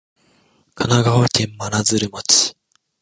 神奈川県真鶴町